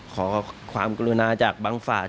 ขอความกรุณาจากบางฝ่าย